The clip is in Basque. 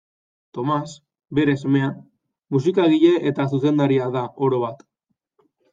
Tomas, bere semea, musikagile eta zuzendaria da orobat.